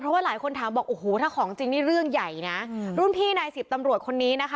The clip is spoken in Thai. เพราะว่าหลายคนถามบอกโอ้โหถ้าของจริงนี่เรื่องใหญ่นะรุ่นพี่นายสิบตำรวจคนนี้นะคะ